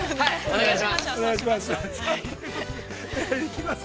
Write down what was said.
◆お願いします。